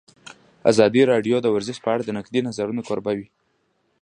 ازادي راډیو د ورزش په اړه د نقدي نظرونو کوربه وه.